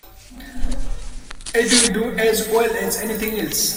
It'll do as well as anything else!